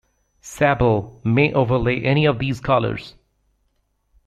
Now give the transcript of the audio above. Sable may overlay any of these colors.